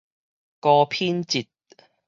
高品質